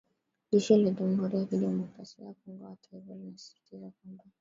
Jeshi la Jamuhuri ya Kidemokrasia ya Kongo hata hivyo linasisitiza kwamba